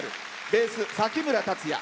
ベース、崎村達也。